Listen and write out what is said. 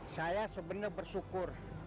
kau memilih padaku